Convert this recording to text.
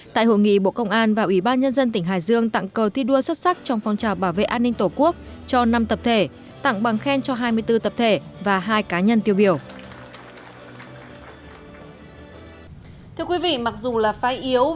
tại hội nghị bộ công an và ủy ban nhân dân tỉnh hải dương tặng cờ thi đua xuất sắc trong phong trào bảo vệ an ninh tổ quốc cho năm tập thể tặng bằng khen cho hai mươi bốn tập thể và hai cá nhân tiêu biểu